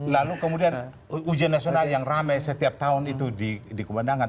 lalu kemudian ujian nasional yang ramai setiap tahun itu dikubandangkan